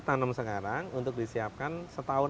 tanam sekarang untuk disiapkan setahun